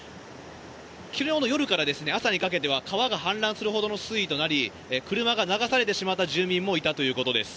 昨日の夜から朝にかけては川が氾濫するほどの水位となり車が流されてしまった住民もいたということです。